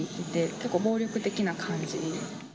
結構、暴力的な感じ。